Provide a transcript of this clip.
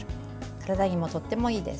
体にも、とってもいいです。